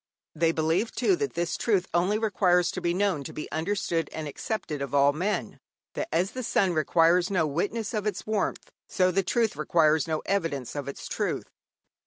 They believe, too, that this truth only requires to be known to be understood and accepted of all men; that as the sun requires no witness of its warmth, so the truth requires no evidence of its truth.